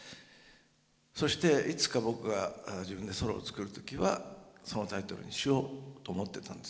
そしていつか僕が自分でソロを作る時はそのタイトルにしようと思ってたんです。